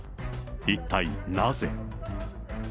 一体なぜ。